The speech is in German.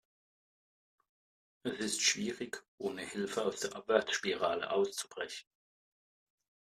Es ist schwierig, ohne Hilfe aus der Abwärtsspirale auszubrechen.